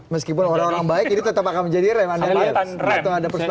meskipun orang orang baik ini tetap akan menjadi rem